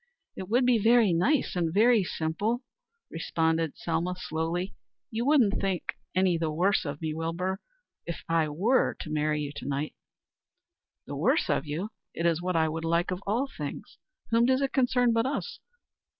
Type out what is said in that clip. "It would be very nice and very simple," responded Selma, slowly. "You wouldn't think any the worse of me, Wilbur, if I were to marry you to night?" "The worse of you? It is what I would like of all things. Whom does it concern but us?